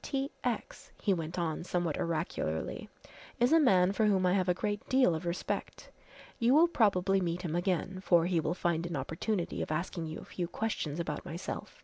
T. X.," he went on somewhat oracularly, "is a man for whom I have a great deal of respect. You will probably meet him again, for he will find an opportunity of asking you a few questions about myself.